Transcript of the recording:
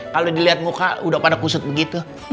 kalo diliat muka udah pada kusut begitu